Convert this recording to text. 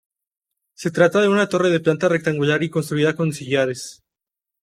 Se trata de una torre de planta rectangular y construida con sillares.